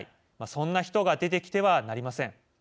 そんな人が出てきてはなりません。